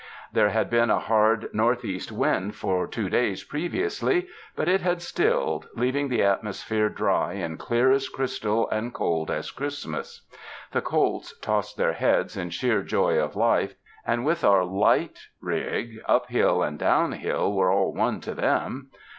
There had been a hard northeast wind for two days previously but it had stilled, leaving the atmosphere dry and clear as crystal and cold as Christmas. The colts tossed their heads in sheer joy of life, and with our light rig, up hill and down hill were all one to them.